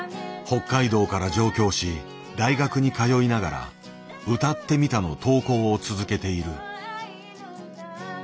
北海道から上京し大学に通いながら「歌ってみた」の投稿を続けている。